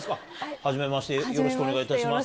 はじめまして、よろしくお願いします。